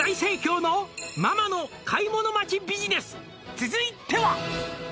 「続いては」